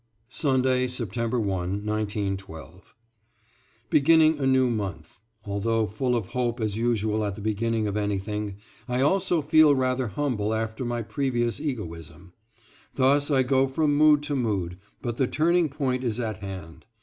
=, Sunday, September 1, 1912.= Beginning a new month, although full of hope as usual at the beginning of anything, I also feel rather humble after my previous egoism. Thus I go from mood to mood, but the turning point is at hand.